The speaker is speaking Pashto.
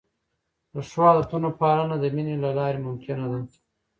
د ښو عادتونو پالنه د مینې له لارې ممکنه ده.